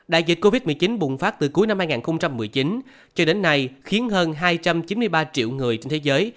đại dịch covid một mươi chín bùng phát từ cuối năm hai nghìn một mươi chín cho đến nay khiến hơn hai trăm chín mươi ba triệu người trên thế giới